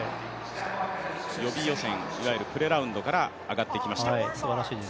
予備予選、いわゆるプレラウンドから上がってきました。